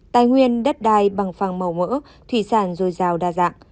tài nguyên đất đai bằng phàng màu mỡ thủy sản dồi dào đa dạng